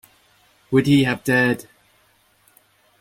Would he have dared?